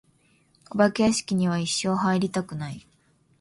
お化け屋敷には一生入りたくない。